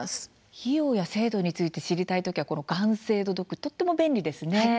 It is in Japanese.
費用や制度について知りたい時はこのがん制度ドック非常に便利ですね。